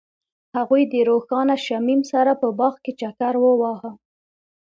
هغوی د روښانه شمیم سره په باغ کې چکر وواهه.